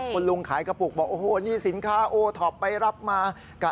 คุณลุงขายกระปุกบอกโอ้โหนี่สินค้าโอท็อปไปรับมากะ